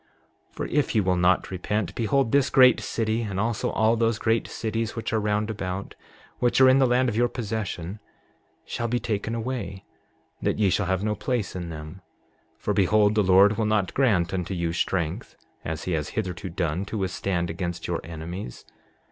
For if ye will not repent, behold, this great city, and also all those great cities which are round about, which are in the land of our possession, shall be taken away that ye shall have no place in them; for behold, the Lord will not grant unto you strength, as he has hitherto done, to withstand against your enemies.